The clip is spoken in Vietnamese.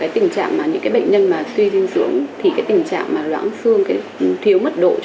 thì là rất là nhiều